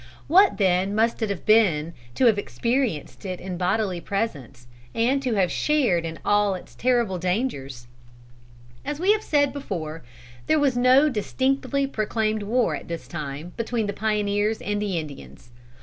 What then must it have been to have experienced it in bodily presence, and to have shared in all its terrible dangers? As we have before said, there was no distinctly proclaimed war, at this time, between the pioneers and the Indians.